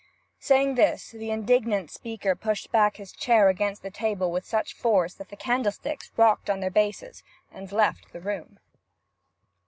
Saying this, the indignant speaker pushed back his chair against the table with such force that the candlesticks rocked on their bases, and left the room.